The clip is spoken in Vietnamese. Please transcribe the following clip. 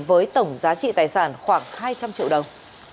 với tổng giá trị tài sản khoảng hai trăm linh triệu đồng